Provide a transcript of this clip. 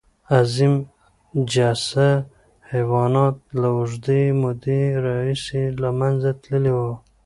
عظیم الجثه حیوانات له اوږدې مودې راهیسې له منځه تللي وو.